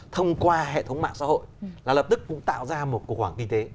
thông qua hệ thống mạng xã hội là lập tức cũng tạo ra một cuộc hoảng kinh tế